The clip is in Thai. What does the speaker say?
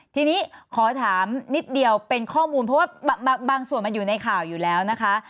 ทีนี้ขอถามนิดเดียวเป็นข้อมูลเพราะว่าบางส่วนมันอยู่ในข่าวอยู่แล้วนะคะ